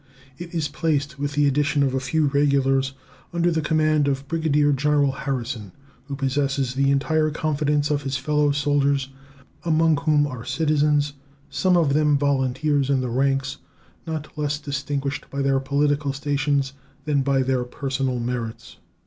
It is placed, with the addition of a few regulars, under the command of Brigadier General Harrison, who possesses the entire confidence of his fellow soldiers, among whom are citizens, some of them volunteers in the ranks, not less distinguished by their political stations than by their personal merits.